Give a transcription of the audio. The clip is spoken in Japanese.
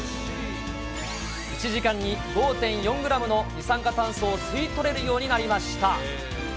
１時間に５．４グラムの二酸化炭素を吸い取れるようになりました。